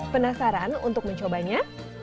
penasaran untuk mencobanya